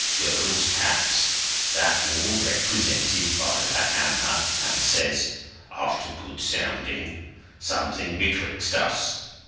Durdles taps, that wall represented by that hammer, and says, after good sounding: 'Something betwixt us!